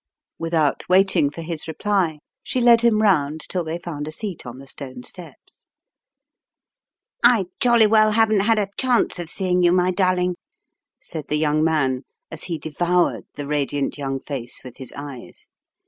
Without waiting for his reply she led him round till they found a seat on the stone steps. "I jolly well haven't had a chance of seeing you, my darling," said the young man as he devoured the radiant young face with his eyes.